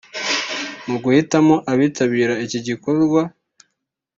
Mu guhitamo abitabira iki gikorwa